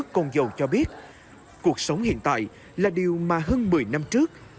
côn dầu cho biết cuộc sống hiện tại là điều mà hơn một mươi năm trước